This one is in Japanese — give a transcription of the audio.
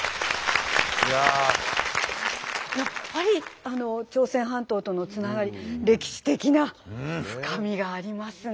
やっぱり朝鮮半島とのつながり歴史的な深みがありますね。